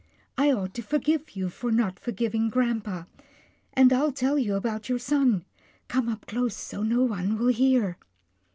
I ought to forgive you for not forgiving grampa, and I'll tell you about your son. Come up close, so no one will hear."